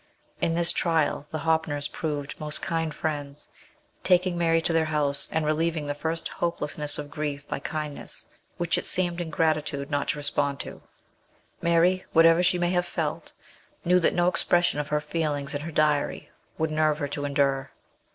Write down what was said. In this trial the Hoppners proved most kind friends, taking Mary to their house, and relieving the first hopelessness of grief by kindness, which it seemed ingratitude not to respond to. Mary, whatever she may have felt, knew that no expression of her feelings in her diary would nerve her to endure.